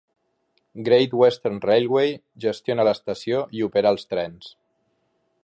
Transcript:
Great Western Railway gestiona l'estació i opera els trens.